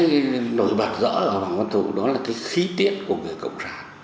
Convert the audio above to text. cái nổi bật rõ ở hoàng văn thụ đó là cái khí tiết của người cộng sản